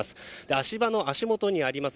足場の足元にあります